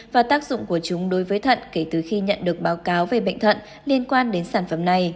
và tác dụng của chúng đối với thận kể từ khi nhận được báo cáo về bệnh thận liên quan đến sản phẩm này